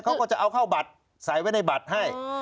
เขาก็จะเอาเข้าบัตรใส่ไว้ในบัตรให้